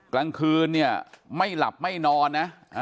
กลางคืนเนี่ยไม่หลับไม่นอนนะ